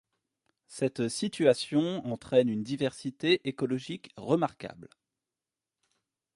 Cette situation entraine une diversité écologique remarquable.